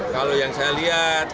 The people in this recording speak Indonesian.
kalau yang saya lihat